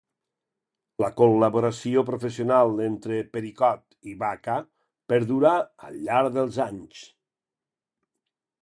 La col·laboració professional entre Pericot i Baca perdurà al llarg dels anys.